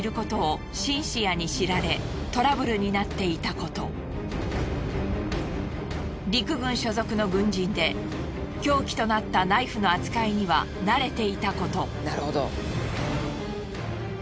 事件前陸軍所属の軍人で凶器となったナイフの扱いには慣れていたこと。